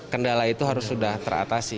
kendala itu harus sudah teratasi